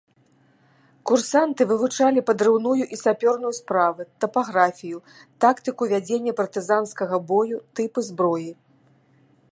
Курсанты вывучалі падрыўную і сапёрную справы, тапаграфію, тактыку вядзення партызанскага бою, тыпы зброі.